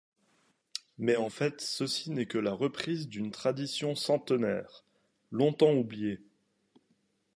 Mais en fait ceci n’est que la reprise d’une tradition centenaire, longtemps oubliée.